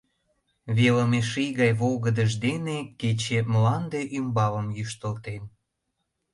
Велыме ший гай волгыдыж дене кече мланде ӱмбалым йӱштылтен.